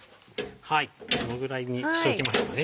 このぐらいにしておきましょうかね